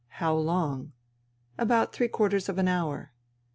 " How long ?"" About three quarters of an hour."